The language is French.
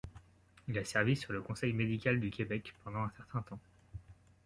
Il a servi sur le Conseil médical du Québec pendant un certain temps.